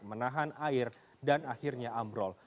menahan air dan akhirnya ambrol